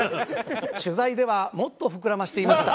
取材ではもっと膨らませていました。